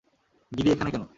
গিরি এখানে কেন?